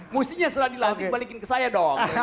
mestinya setelah dilantik balikin ke saya dong